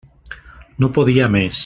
No podia més.